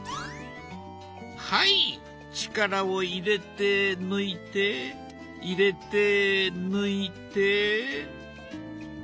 はい力を入れて抜いて入れて抜いて。